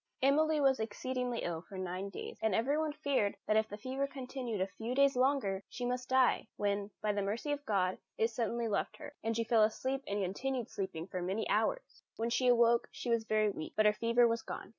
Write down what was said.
Emily was exceedingly ill for nine days, and everyone feared that if the fever continued a few days longer she must die; when, by the mercy of God, it suddenly left her, and she fell asleep and continued sleeping for many hours. When she awoke, she was very weak, but her fever was gone.